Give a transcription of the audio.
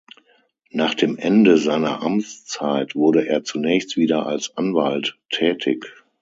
Nach dem Ende seiner Amtszeit wurde er zunächst wieder als Anwalt tätig.